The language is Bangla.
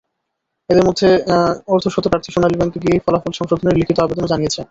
এঁদের মধ্যে অর্ধশত প্রার্থী সোনালী ব্যাংকে গিয়ে ফলাফল সংশোধনের লিখিত আবেদনও জানিয়েছেন।